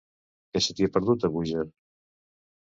Què se t'hi ha perdut, a Búger?